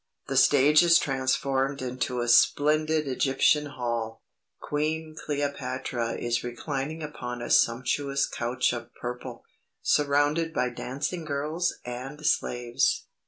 The stage is transformed into a splendid Egyptian hall. Queen Cleopatra is reclining upon a sumptuous couch of purple, surrounded by dancing girls and slaves.